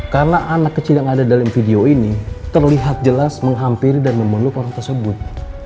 karena anak kecil yang ada dalam video ini terlihat jelas menghampiri dan memeluk orang tersebut